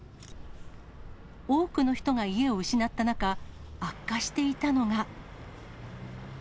多くの人が家を失った中、悪化していたのが。